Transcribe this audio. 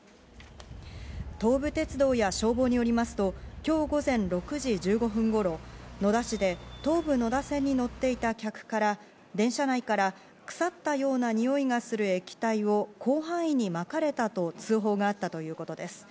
東武鉄道や消防によりますと今日午前６時１５分頃、野田市で東武野田線に乗っていた客から電車内から腐ったようなにおいがする液体を広範囲にまかれたと通報があったということです。